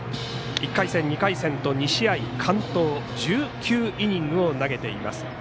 １回戦、２回戦と２試合完投１９イニングを投げています。